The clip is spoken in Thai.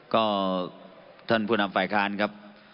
ก็ท่านผู้นำฝ่ายค้านครับ